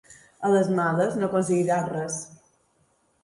A les males, no aconseguiràs res.